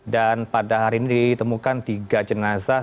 dan pada hari ini ditemukan tiga jenazah